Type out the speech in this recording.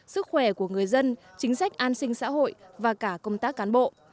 sức khỏe của người dân chính sách an sinh xã hội và cả công tác cán bộ